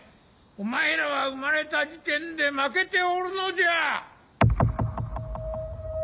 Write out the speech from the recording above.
お前らは生まれた時点で負けておるのじゃ！